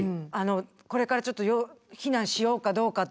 これからちょっと避難しようかどうかっていう。